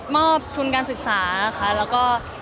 ทุนการศึกษานะคะแล้วก็